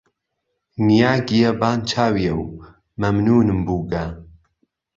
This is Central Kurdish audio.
نیاگیه بان چاویهو، مهمنوونم بووگه